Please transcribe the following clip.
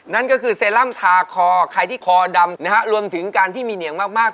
นั่นก็คือเซรั่มทาคอใครที่คอดำนะฮะรวมถึงการที่มีเหนียงมาก